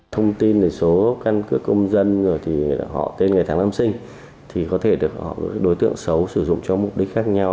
thông tin về số căn cước công dân rồi thì họ tên ngày tháng năm sinh thì có thể được đối tượng xấu sử dụng cho mục đích khác nhau